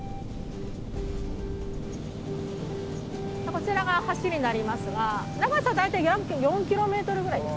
こちらが橋になりますが長さ大体約４キロメートルぐらいです。